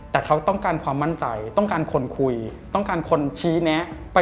แต่เขาต้องการความมั่นใจต้องการคนคุยต้องการคนชี้แนะ